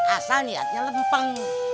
asal niatnya lempeng